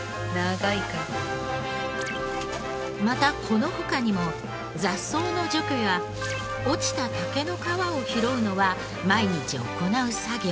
またこの他にも雑草の除去や落ちた竹の皮を拾うのは毎日行う作業。